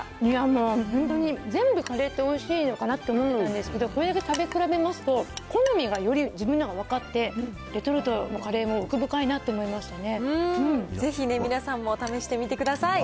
もう、本当に全部カレーっておいしいのかなって思ってたんですけど、これだけ食べ比べますと、好みがより自分のが分かって、レトルトのカレーも奥深いなと思いぜひね、皆さんも試してみてください。